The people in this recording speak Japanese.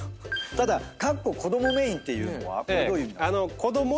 ただかっこ子どもメインってこれどういう意味なんですか？